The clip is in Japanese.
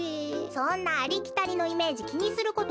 そんなありきたりのイメージきにすることないわよ。